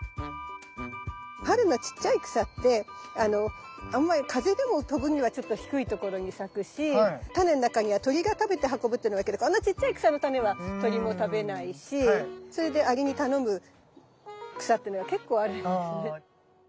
春のちっちゃい草ってあんまり風でも飛ぶにはちょっと低い所に咲くしタネの中には鳥が食べて運ぶっていうのもあるけどこんなちっちゃい草のタネは鳥も食べないしそれでアリに頼む草っていうのが結構あるんですね。